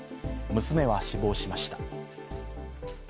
娘は死亡しました。